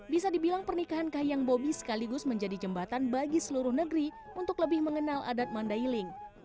bisa dibilang pernikahan kahiyang bobi sekaligus menjadi jembatan bagi seluruh negeri untuk lebih mengenal adat mandailing